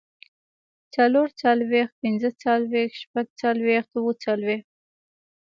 څلورڅلوېښت، پينځهڅلوېښت، شپږڅلوېښت، اووهڅلوېښت